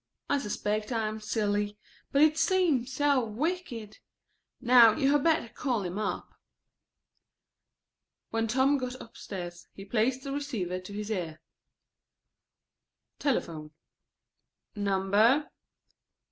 I suspect I am silly, but it seems so wicked. Now you had better call him up." When Tom got upstairs, he placed the receiver to his ear. Telephone: ("Number?")